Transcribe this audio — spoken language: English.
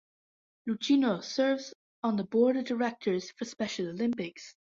Lucchino serves on the Board of Directors for Special Olympics.